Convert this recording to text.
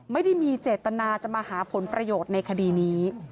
ไม่ได้มีเจตนาจะมาหาผลประโยชน์ในคดีนี้